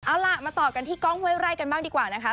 เอาล่ะมาต่อกันที่กล้องห้วยไร่กันบ้างดีกว่านะคะ